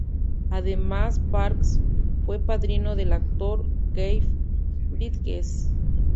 Además, Parks fue padrino del actor Jeff Bridges.